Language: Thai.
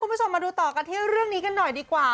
คุณผู้ชมมาดูต่อกันที่เรื่องนี้กันหน่อยดีกว่า